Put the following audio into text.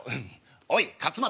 「おい勝俣」。